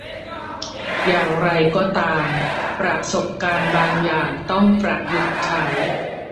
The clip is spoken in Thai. อย่างไรก็ตาม ประสบการณ์บางอย่างต้องประยุกต์ใช้